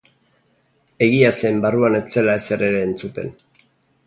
Egia zen barruan ez zela ezer ere entzuten.